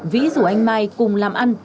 vĩ rủ anh mai cùng làm ăn